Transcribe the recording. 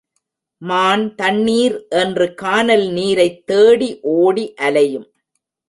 மான் தண்ணீர் என்று கானல் நீரைத் தேடி ஓடி அலையும்.